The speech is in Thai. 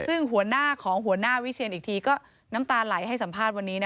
ซึ่งหัวหน้าของหัวหน้าวิเชียนอีกทีก็น้ำตาไหลให้สัมภาษณ์วันนี้